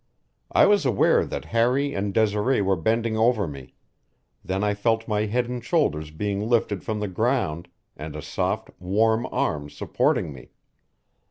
I was aware that Harry and Desiree were bending over me; then I felt my head and shoulders being lifted from the ground, and a soft, warm arm supporting me.